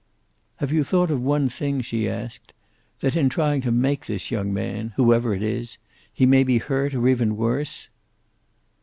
"Have you thought of one thing?" she asked. "That in trying to make this young man, whoever it is, he may be hurt, or even worse?"